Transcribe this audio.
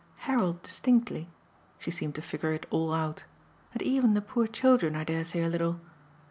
Harold distinctly" she seemed to figure it all out "and even the poor children, I dare say, a little.